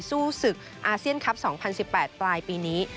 สู้ศึกอาเซียนคลับ๒๐๑๘ปลายปีนี้